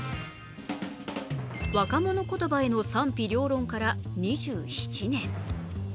若者言葉への賛否両論から２７年。